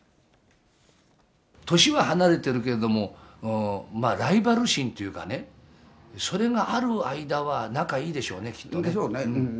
年は離れてるけども、ライバル心というかね、それがある間は、仲いいでしょうね、きっとね。